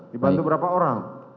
dibantu berapa orang